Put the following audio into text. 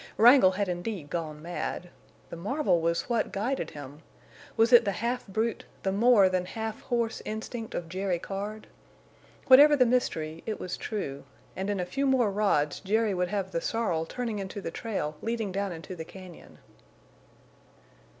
Wrangle had indeed gone mad. The marvel was what guided him. Was it the half brute, the more than half horse instinct of Jerry Card? Whatever the mystery, it was true. And in a few more rods Jerry would have the sorrel turning into the trail leading down into the cañon.